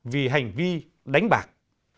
vì hành vi đánh bạc